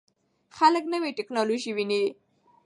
خلک نوې ټکنالوژي ویني.